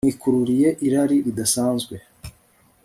Mwikururiye irari ridasanzwe